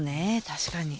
確かに。